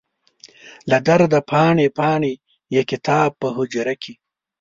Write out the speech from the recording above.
له درده پاڼې، پاڼې یې کتاب په حجره کې